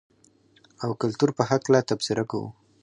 او کلتور په حقله تبصره کوو.